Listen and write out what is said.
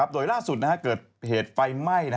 โดยล่าสุดเกิดเหตุไฟไหม้